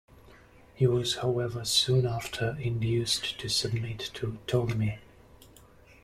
He was, however, soon after, induced to submit to Ptolemy.